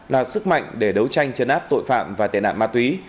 là sức mạnh để đấu tranh chấn áp tội phạm và tệ nạn ma túy